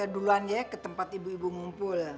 duluan ya ke tempat ibu ibu ngumpul